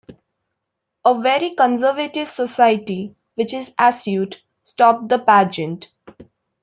A very conservative society, which is Asyut, stopped the pageant.